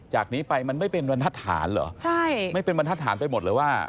จากนี้ไปมันไม่เป็นบรรทัศนเหรอใช่ไม่เป็นบรรทัศนไปหมดเลยว่า